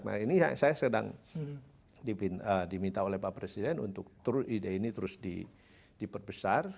nah ini saya sedang diminta oleh pak presiden untuk ide ini terus diperbesar